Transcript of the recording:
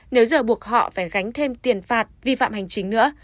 nếu giờ buộc họ phải gánh thêm tiền phạt vi phạm hành chính nữa